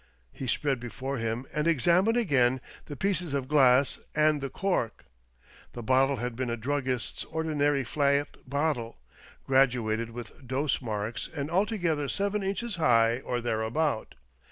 He spread before him, and examined again, the pieces of glass and the cork. The bottle had been a druggist's ordinary flat bottle, graduated with dose marks, and alto gether seven inches high, or thereabout.